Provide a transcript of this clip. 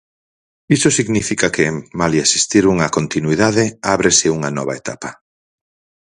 Iso significa que, malia existir unha continuidade, ábrese unha nova etapa.